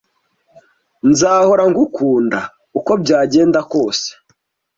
Nzahora ngukunda, uko byagenda kose.